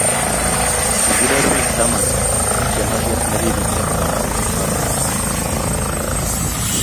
kikipar pik taman en chemarket nekipit en nganaset noton